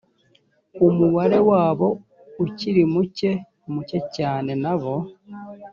umubare wabo ukiri muke muke cyane na bo